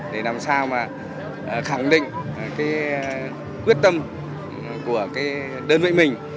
để làm sao mà khẳng định cái quyết tâm của cái đơn vị mình